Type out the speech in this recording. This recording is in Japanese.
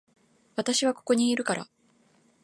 私はここにいるから